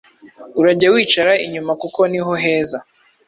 Urajye wicara inyuma kuko niho heza